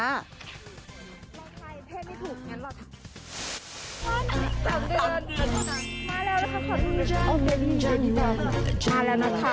๓เดือน